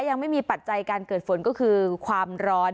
ยังไม่มีปัจจัยการเกิดฝนก็คือความร้อน